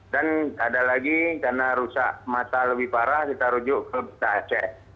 dan ada lagi karena rusak mata lebih parah kita rujuk ke bupati aceh